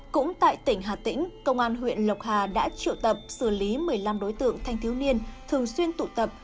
cũng tại tỉnh hà tĩnh công an huyện lộc hà đã triệu tập xử lý một mươi năm đối tượng thanh thiếu niên thường xuyên tụ tập